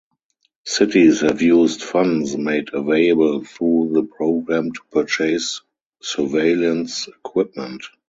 Cities have used funds made available through the program to purchase surveillance equipment.